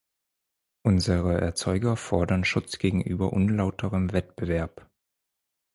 Unsere Erzeuger fordern Schutz gegenüber unlauterem Wettbewerb.